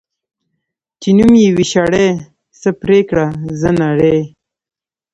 چی نوم یی وی شړي ، څه پریکړه ځه نري .